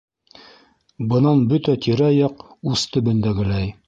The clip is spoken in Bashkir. Бынан бөтә тирә-яҡ ус төбөндәгеләй